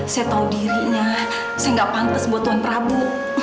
saya tahu dirinya saya gak pantes buat tuan prabu